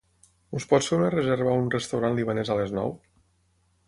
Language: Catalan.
Ens pots fer una reserva a un restaurant libanès a les nou?